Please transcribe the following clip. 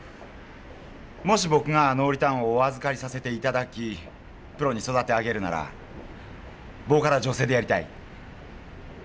もし僕がノー★リターンをお預かりさせていただきプロに育て上げるならボーカルは女性でやりたい。